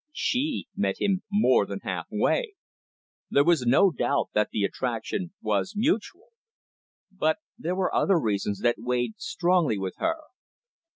She met him more than half way. There was no doubt that the attraction was mutual. But there were other reasons that weighed strongly with her.